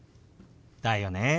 だよね！